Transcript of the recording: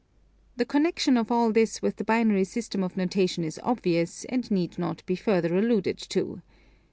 The connection of all this with the binary system of notation is obvious, and need not be further alluded to.